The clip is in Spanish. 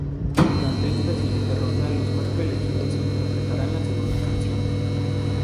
Durante esta siguiente ronda los cuatro elegidos interpretarán la segunda canción.